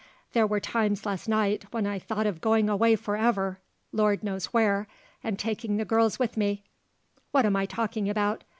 There were times last night, when I thought of going away for ever Lord knows where and taking the girls with me. What am I talking about?